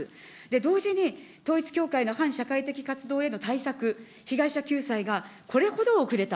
同時に、統一教会の反社会的活動への対策、被害者救済がこれほど遅れた。